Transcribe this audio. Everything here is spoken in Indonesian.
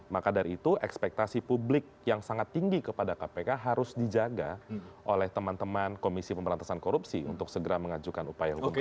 maka dari itu ekspektasi publik yang sangat tinggi kepada kpk harus dijaga oleh teman teman komisi pemberantasan korupsi untuk segera mengajukan upaya hukum itu